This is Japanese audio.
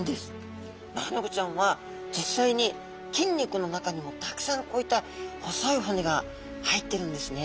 マアナゴちゃんは実際に筋肉の中にもたくさんこういった細い骨が入ってるんですね。